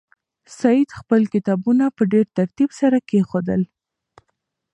سعید خپل کتابونه په ډېر ترتیب سره کېښودل.